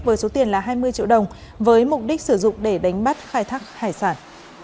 với số tiền là hai mươi triệu đồng với mục đích sử dụng để đánh bắt khai thác hải sản